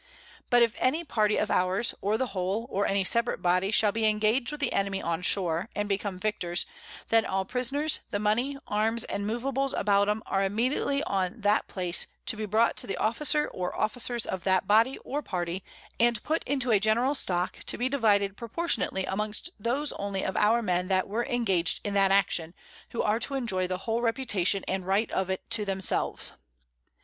But if any Party of ours, or the whole, or any separate Body shall be engag'd with the Enemy on shore, and become Victors, then all Prisoners, the Mony, Arms, and Movables about 'em, are immediately on that place to be brought to the Officer or Officers of that Body or Party, and put into a general Stock, to be divided proportionately amongst those only of our Men that were engag'd in that Action, who are to enjoy the whole Reputation and Right of it to themselves.